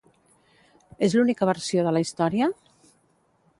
És l'única versió de la història?